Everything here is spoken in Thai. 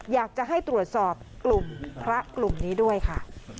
อยากจะให้ตรวจสอบกลุ่มพระกลุ่มนี้ด้วยค่ะ